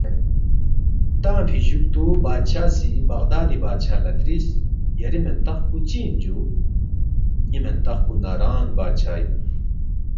تنگفی جُوکتُو بادشاہ سی بغدادی بادشاہ لہ ترِس، ”یری مِنتخ پو چِہ اِن جُو؟“ ”ن٘ی مِنتخ پو ناران بادشاہ اِن